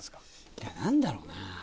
いや何だろうな。